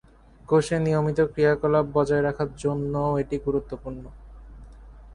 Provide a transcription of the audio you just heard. কোষের নিয়মিত ক্রিয়াকলাপ বজায় রাখার জন্যেও এটি গুরুত্বপূর্ণ।